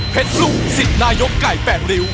เพชรลุกสินายกไก่แปดริว